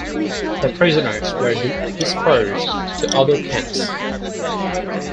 The prisoners were dispersed to other camps.